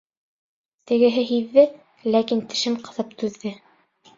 Тегеһе һиҙҙе, ләкин тешен ҡыҫып түҙҙе.